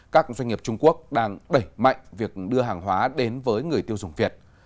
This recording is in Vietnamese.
các doanh nghiệp trung quốc đang đẩy mạnh việc đưa hàng hóa đến với người tiêu dùng việt